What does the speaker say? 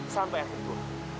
sampai yang tentu